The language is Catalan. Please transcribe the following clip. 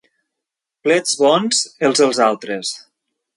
Plets bons, els dels altres.